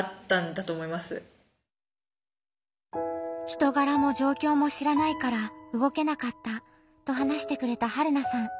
人がらも状況も知らないから動けなかったと話してくれたはるなさん。